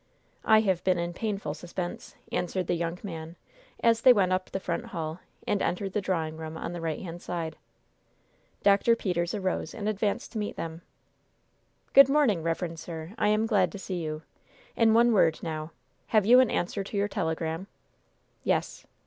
"I have been in painful suspense," answered the young man, as they went up the front hall, and entered the drawing room on the right hand side. Dr. Peters arose and advanced to meet them. "Good morning, reverend sir; I am glad to see you. In one word, now: Have you an answer to your telegram?" "Yes."